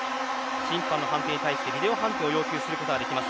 審判の判定に対してビデオ判定を要求することができます。